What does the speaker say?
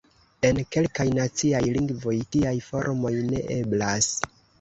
En kelkaj naciaj lingvoj tiaj formoj ne eblas.